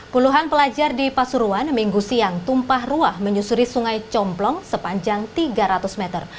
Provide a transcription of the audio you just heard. puluhan pelajar di pasuruan minggu siang tumpah ruah menyusuri sungai complong sepanjang tiga ratus meter